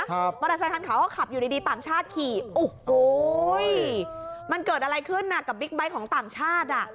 มอเตอร์ไซคันขาวก็ขับอยู่ดีดีต่างชาติขี่โอ้โหมันเกิดอะไรขึ้นน่ะกับบิ๊กไบท์ของต่างชาติอ่ะ